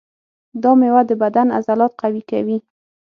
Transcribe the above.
دا مېوه د بدن عضلات قوي کوي.